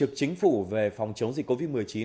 thường trực chính phủ về phòng chống dịch covid một mươi chín